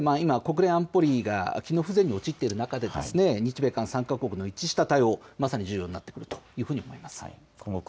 今、国連安保理が機能不全に陥っている中で日米韓３か国の一致した対応が重要になってくると思います。